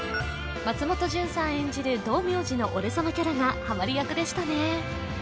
松本潤さん演じる道明寺の俺様キャラがハマり役でしたね